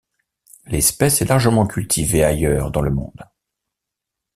L'espèce est largement cultivée ailleurs dans le monde.